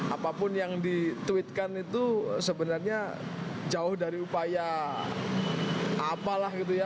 apapun yang dituitkan itu sebenarnya jauh dari upaya apalah gitu ya